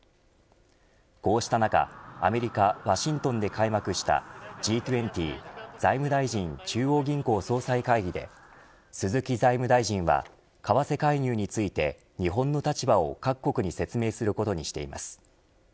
こうした中、アメリカワシントンで開幕したＧ２０財務大臣・中央銀行総裁会議で鈴木財務大臣は為替介入について日本の立場を各国に説明することにしています。